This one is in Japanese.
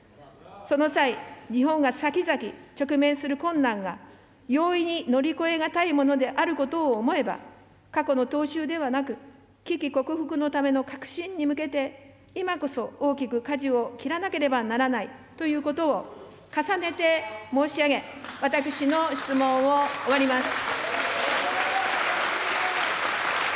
その際、日本が先々直面する困難が容易に乗り越え難いことであることを思えば、過去の踏襲ではなく、危機克服のための革新に向けて、今こそ大きくかじを切らなければならないということを、重ねて申し上げ、私の質問を終わります。